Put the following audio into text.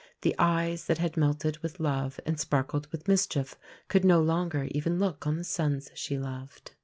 The eyes that had melted with love and sparkled with mischief, could no longer even look on the sons she loved.